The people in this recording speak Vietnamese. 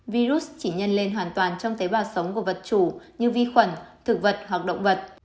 virus chỉ nhân lên hoàn toàn trong tế bào sống của vật chủ như vi khuẩn thực vật hoặc động vật